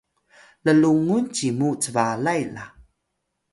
llungun cimu cbalay la